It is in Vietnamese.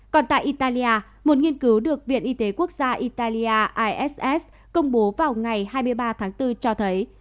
còn tại italia một nghiên cứu được viện y tế quốc gia italia công bố vào ngày hai mươi ba tháng bốn cho thấy